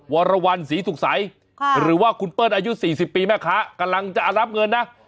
วรวรรณศรีสุขใสหรือว่าคุณเปิ้ลอายุ๔๐ปีแม่ค้ากำลังจะรับเงินนะ